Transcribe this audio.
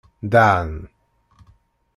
Dɛan.